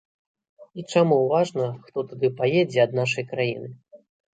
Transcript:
І чаму важна, хто туды паедзе ад нашай краіны.